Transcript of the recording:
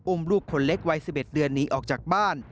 ลูกคนเล็กวัย๑๑เดือนหนีออกจากบ้าน